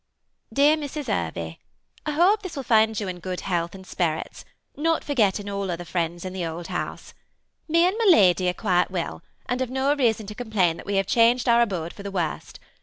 " Dear Mrs. Hervey, — I hope this will find you in good health and sperrits — not forgetting all other friends at the old house. Me and my lady are quite well, and have no reason to complain that we have THE SEMI ATTACHED COXTPLB, 56 changed our abode for the worst.